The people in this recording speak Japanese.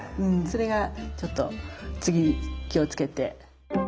それがちょっと次気をつけて。